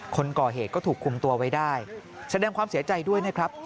คนก่อเหตุก็ถูกคุมตัวไว้ได้แสดงความเสียใจด้วยนะครับ